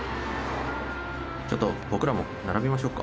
「ちょっと僕らも並びましょうか」